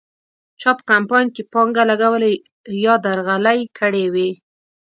چا په کمپاین کې پانګه لګولې یا درغلۍ کړې وې.